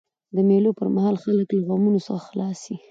د مېلو پر مهال خلک له غمونو څخه خلاص يي.